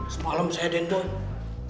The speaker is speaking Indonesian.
sepalam saya den tuh